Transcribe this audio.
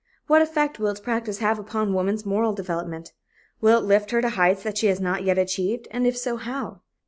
What effect will its practice have upon woman's moral development? Will it lift her to heights that she has not yet achieved, and if so, how?